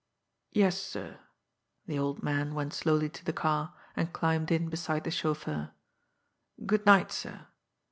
"Yes, sir." The old man went slowly to the car, and climbed in beside the chauffeur. "Good night, sir!"